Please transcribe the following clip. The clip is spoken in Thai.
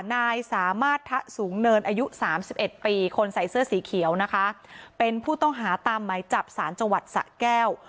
นายสามารถทะสูงเนินอายุสามสิบเอ็ดปีคนใส่เสื้อสีเขียวนะคะเป็นผู้ต้องหาตามไหมจับสารจังหวัดสะแก้ว